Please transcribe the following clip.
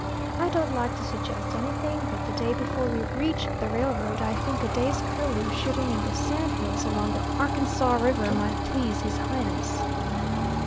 I don't like to suggest anything, but the day before we reach the railroad, I think a day's curlew shooting in the sand hills along the Arkansas River might please his highness.